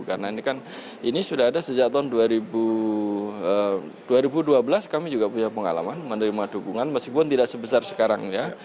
karena ini kan ini sudah ada sejak tahun dua ribu dua belas kami juga punya pengalaman menerima dukungan meskipun tidak sebesar sekarang ya